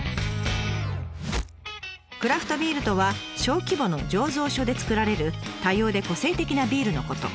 「クラフトビール」とは小規模の醸造所でつくられる多様で個性的なビールのこと。